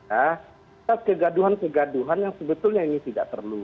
ada kegaduhan kegaduhan yang sebetulnya ini tidak perlu